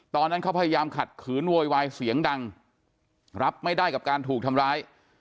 ตอนนั้นเขาพยายามขัดขืนโวยวายเสียงดังรับไม่ได้กับการถูกทำร้าย